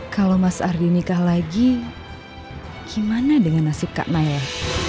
kalau mas ardi nikah lagi gimana dengan nasib kak maya